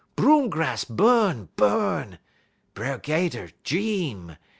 Broom grass bu'n, bu'n; B'er 'Gater dream.